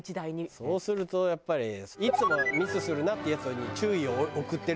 そうするとやっぱりいつもミスするなっていうヤツに注意を送ってるだけよ。